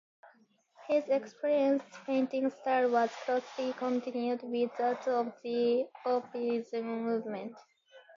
His expressionist painting style was closely connected with that of the Orphism movement.